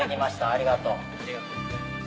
ありがとう。